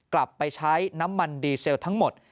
กลับไปใช้น้ำมันดีเซลทั้งหมด